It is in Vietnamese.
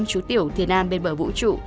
năm chú tiểu thiên nam bên bờ vũ trụ